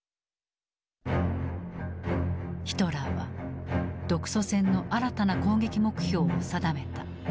ヒトラーは独ソ戦の新たな攻撃目標を定めた。